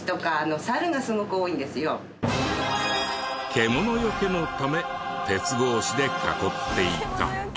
獣除けのため鉄格子で囲っていた。